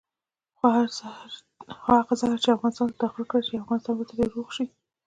خو هغه زهر چې افغانستان ته داخل کړل افغانستان به ترې روغ شي.